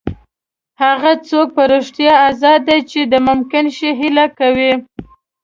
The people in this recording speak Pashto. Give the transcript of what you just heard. هغه څوک په رښتیا ازاد دی چې د ممکن شي هیله کوي.